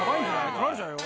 取られちゃうよ。